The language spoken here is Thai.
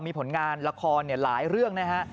มีผลงานละครหลายเรื่องนะฮะ